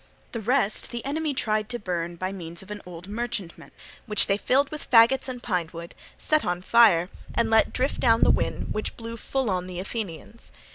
The rest the enemy tried to burn by means of an old merchantman which they filled with faggots and pine wood, set on fire, and let drift down the wind which blew full on the Athenians.